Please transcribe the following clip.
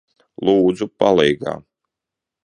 Lūdzu, palīgā!